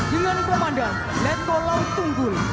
dengan komandan letko laut tunggul